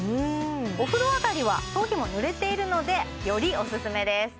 お風呂上がりは頭皮もぬれているのでよりおすすめです